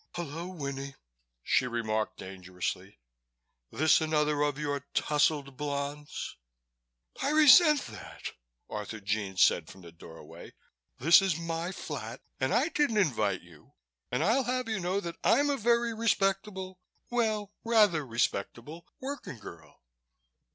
"Hullo, Winnie," she remarked dangerously. "This another of your tousled blondes?" "I resent that," Arthurjean said from the doorway. "This is my flat and I didn't invite you and I'll have you know that I'm a very respectable well, rather respectable working girl."